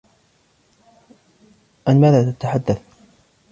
عن ماذا تتحدث؟